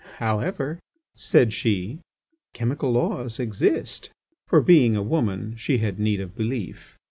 "However," said she, "chemical laws exist." For, being a woman, she had need of belief.